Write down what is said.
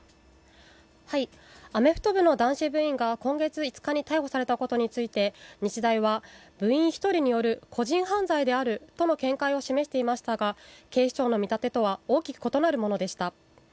アメフト部の男子部員が今月５日に逮捕されたことについて日大は部員１人による個人犯罪であるとの見解を示していましたが、警視庁の見立てとは大きく異なるものでした。